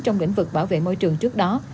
trong lĩnh vực bảo vệ môi trường trước đó